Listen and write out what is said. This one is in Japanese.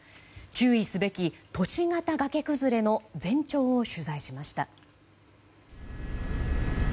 注意すべき、都市型崖崩れの前兆を取材しました。